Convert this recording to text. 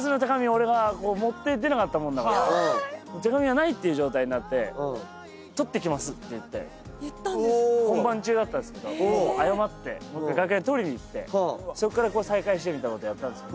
俺が持って出なかったもんだから手紙がないっていう状態になって「取ってきます」っていって本番中だったんですけど謝って僕は楽屋に取りにいってそこから再開してみたいなことやったんですよ